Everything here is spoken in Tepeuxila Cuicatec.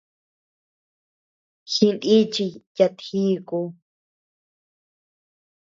Jinichiy yat jíku.